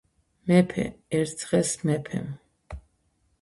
მეფე. ერთ დღეს მეფემ